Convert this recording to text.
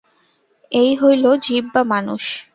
এই হইল জীব বা মানুষ।